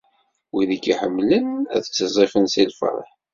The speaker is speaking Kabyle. Wid i k-iḥemmlen, ad ttiẓẓifen si lferḥ.